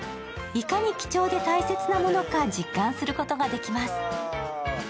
いかに貴重で大切なものか実感することができます。